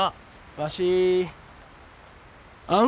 わしあん